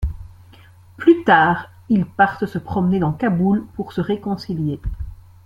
Plus tard, ils partent se promener dans Kaboul pour se réconcilier.